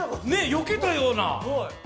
よけたような。